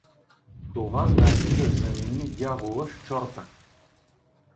— Това значи да замени дявола с чорта.